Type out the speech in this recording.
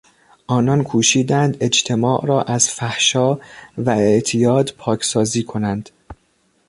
آنان کوشیدند اجتماع را از فحشا و اعتیاد پاکسازی کنند.